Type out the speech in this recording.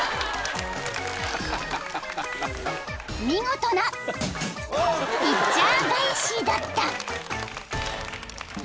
［見事なピッチャー返しだった］